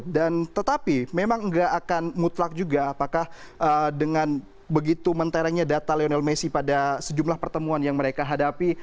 dan tetapi memang enggak akan mutlak juga apakah dengan begitu menterengnya data lionel messi pada sejumlah pertemuan yang mereka hadapi